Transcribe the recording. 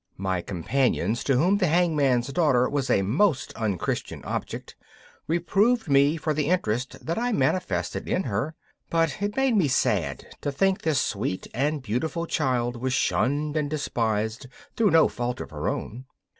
My companions, to whom the hangman's daughter was a most unchristian object, reproved me for the interest that I manifested in her; but it made me sad to think this sweet and beautiful child was shunned and despised through no fault of her own.